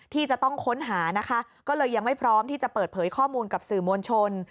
ที่จะต้องค้นหานะคะก็เลยยังไม่พร้อมที่จะเปิดเผยข้อมูลกับสื่อมวลชน